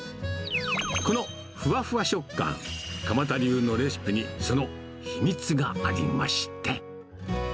このふわふわ食感、鎌田流のレシピにその秘密がありまして。